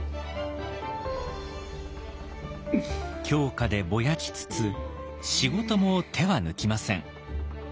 狂歌でぼやきつつ仕事も手は抜きません。